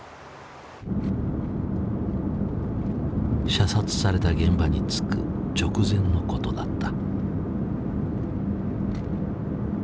射殺された現場に着く直前のことだった。